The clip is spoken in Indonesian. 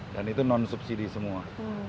dan itu non subsidi semua